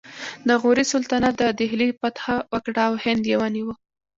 د غوري سلطنت د دهلي فتحه وکړه او هند یې ونیو